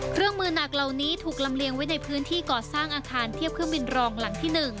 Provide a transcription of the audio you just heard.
เครื่องมือหนักเหล่านี้ถูกลำเลียงไว้ในพื้นที่ก่อสร้างอาคารเทียบเครื่องบินรองหลังที่๑